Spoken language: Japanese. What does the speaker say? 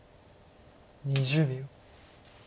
２０秒。